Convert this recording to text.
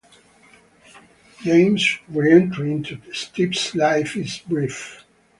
James's re-entry into Stevie's life is brief.